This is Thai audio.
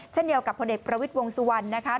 เช่นเดียวกับผลเอกประวิทย์วงสุวรรณนะคะ